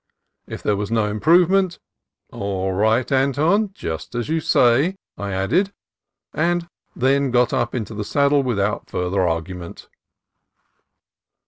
If there was no improvement, "All right, Anton: just as you say," I added; then got into the saddle without further argument.